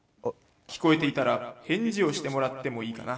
聞こえていたら返事をしてもらってもいいかな」。